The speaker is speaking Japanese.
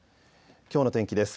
きょうの天気です。